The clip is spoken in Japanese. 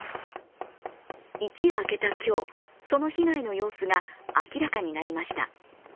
一夜明けた今日、その被害の様子が明らかになりました。